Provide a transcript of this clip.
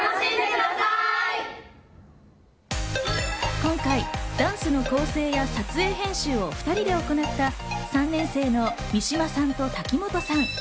今回ダンスの構成や撮影、編集を２人で行った３年生の三島さんと瀧本さん。